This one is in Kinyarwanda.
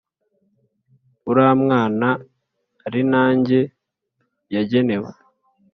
uramwana arinajye yagenewe”